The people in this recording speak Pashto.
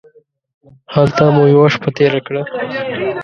هلته مو یوه شپه تېره کړه.